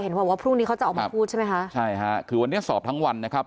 บอกว่าพรุ่งนี้เขาจะออกมาพูดใช่ไหมคะใช่ค่ะคือวันนี้สอบทั้งวันนะครับ